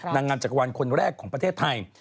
นางงามจักรวาลคนแรกของประเทศไทย